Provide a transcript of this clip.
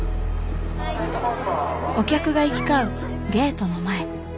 お客が行き交うゲートの前。